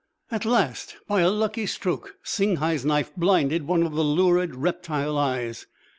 At last, by a lucky stroke, Singhai's knife blinded one of the lurid reptile eyes.